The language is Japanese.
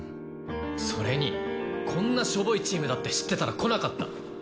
それにこんなしょぼいチームだって知ってたら来なかった。